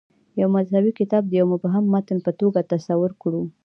یو مذهبي کتاب د یوه مبهم متن په توګه تصور کړو.